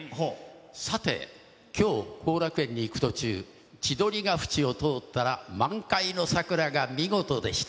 さて、きょう、後楽園に行く途中、千鳥ヶ淵を通ったら、満開の桜が見事でした。